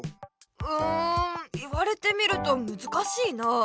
うん言われてみるとむずかしいなあ。